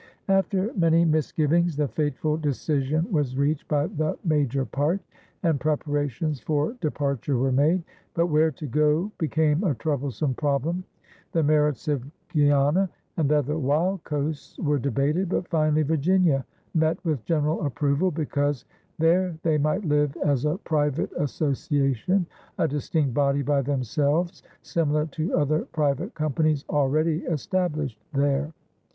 After many misgivings, the fateful decision was reached by the "major parte," and preparations for departure were made. But where to go became a troublesome problem. The merits of Guiana and other "wild coasts" were debated, but finally Virginia met with general approval, because there they might live as a private association, a distinct body by themselves, similar to other private companies already established there.